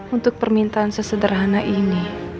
untuk permintaan sesederhana ini